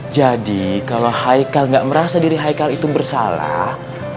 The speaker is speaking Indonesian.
jadi kalau haikal gak merasa diri haikal itu bersalah